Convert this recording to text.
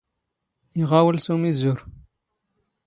ⵉⵖⴰⵡⵍ ⵙ ⵓⵎⵉⵣⵓⵔ.